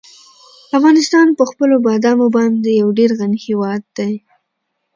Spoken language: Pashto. افغانستان په خپلو بادامو باندې یو ډېر غني هېواد دی.